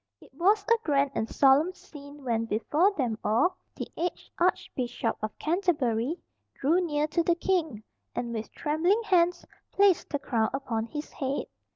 It was a grand and solemn scene when, before them all, the aged Archbishop of Canterbury drew near to the King, and with trembling hands placed the crown upon his head.